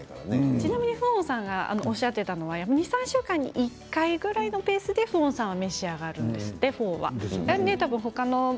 ちなみにフオンさんがおっしゃっていたのは２、３週間に１回くらいのペースでフオンさんは召し上がるんですって、フォーは。